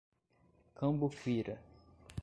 Cambuquira